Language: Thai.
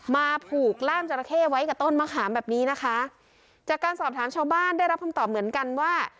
มาผูกล่ามจราเข้ไว้กับต้นมะขามแบบนี้นะคะจากการสอบถามชาวบ้านได้รับคำตอบเหมือนกันว่า